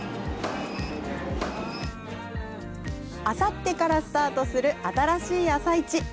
あさってからスタートする新しい「あさイチ」